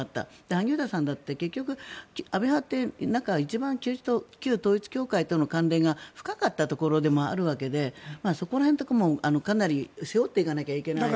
萩生田さんだって安倍派だって旧統一教会との関連が深かったところでもあるわけでそこら辺もかなり背負っていかなきゃいけない。